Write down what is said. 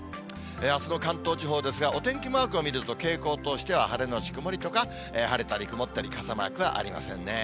あすの関東地方ですが、お天気マークを見ると、傾向としては晴れ後曇りとか、晴れたり曇ったり、傘マークはありませんね。